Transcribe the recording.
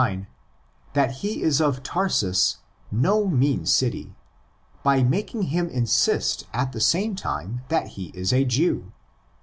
89) that he is of Tarsus, ''no mean city," by making him insist at the same time that he is a Jew.